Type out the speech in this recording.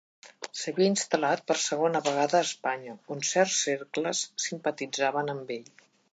S'havia instal·lat per segona vegada a Espanya, on certs cercles simpatitzaven amb ell.